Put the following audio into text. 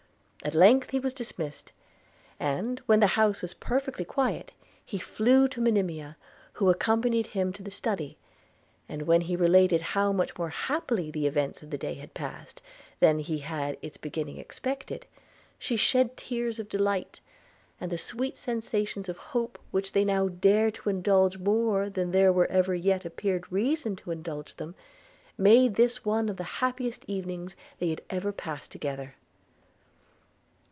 At length he was dismissed; and, when the house was perfectly quiet, he flew to Monimia, who accompanied him to the study; and when he related how much more happily the events of the day had passed than he had at its beginning expected, she shed tears of delight; and the sweet sensations of hope, which they now dared to indulge more than there ever yet appeared reason to indulge them, made this one of the happiest evenings they had ever passed together.